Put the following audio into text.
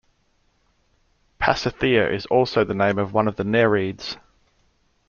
Pasithea is also the name of one of the Nereids.